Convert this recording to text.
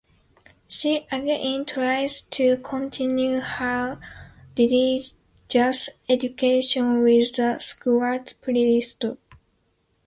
She again tries to continue her religious education with the Squad's priest.